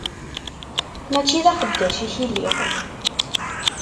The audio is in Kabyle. Mačči d aqeddac-ik i lliɣ.